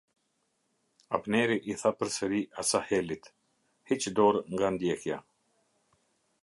Abneri i tha përsëri Asahelit: "Hiq dorë nga ndjekja.